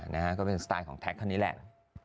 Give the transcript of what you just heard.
นะฮะก็เป็นสไตล์ของแท็กคนนี้แหละ